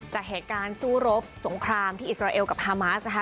จากเหตุการณ์สู้รบสงครามที่อิสราเอลกับฮามาสนะคะ